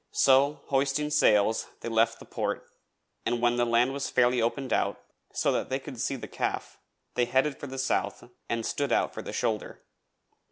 So hoisting sails they left the port and when the land was fairly opened out, so that they could see the Calf, they headed for the south and stood out for the Shoulder.